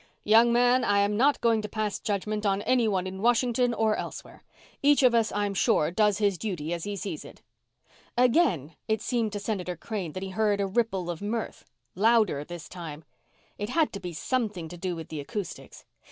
"Young man, I am not going to pass judgment on anyone in Washington or elsewhere. Each of us, I'm sure, does his duty as he sees it." Again it seemed to Senator Crane that he heard a ripple of mirth louder this time. It had to be something to do with the acoustics.